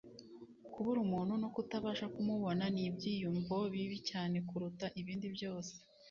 kubura umuntu no kutabasha kumubona ni ibyiyumvo bibi cyane kuruta ibindi byose